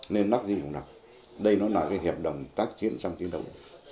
nên nắp gì cũng nắp đây nó là cái hiệp động tác chiến trong chiến đấu